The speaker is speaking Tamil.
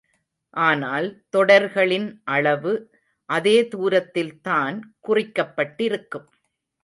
ஆனால், தொடர்களின் அளவு அதே தூரத்தில்தான் குறிக்கப்பட்டிருக்கும்.